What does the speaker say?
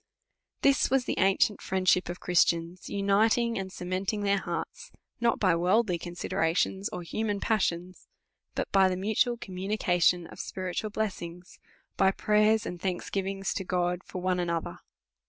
This was the ancient friendship of Christians unit ing and cementing their hearts, not by worldly consi derations, of human passions, but by the mutual com munications of spiritual blessings, by prayers and thanksgiving's to God for one another.